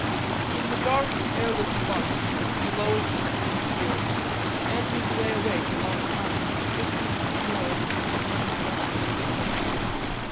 In his dark, airless bunk, in the lowest of three tiers, Andrews lay awake a long time, listening to the snores and the heavy breathing about him.